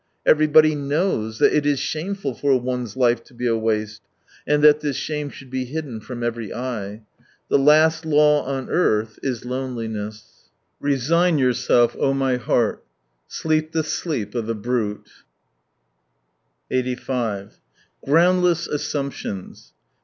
Everybody knows that it is shameful for one's life to be a waste, and that this shame should be hidden from every eye. The last law on earth is — loneliness .... RSsigne toi, mon cceur, dors ton sommeil de brute ! Groundless assumptions.